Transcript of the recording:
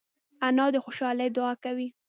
انا د خوشحالۍ دعا کوي